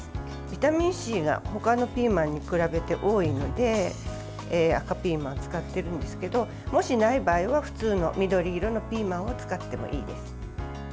ビタミンＣが他のピーマンに比べて多いので赤ピーマンを使ってるんですけどもし、ない場合は普通の緑色のピーマンを使ってもいいです。